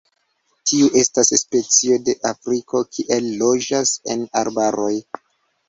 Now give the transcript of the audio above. Tiu estas specio de Afriko kie loĝas en arbaroj.